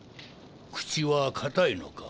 口は堅いのか？